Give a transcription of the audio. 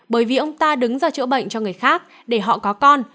bởi vì ông ta đứng ra chữa bệnh cho người khác để họ có con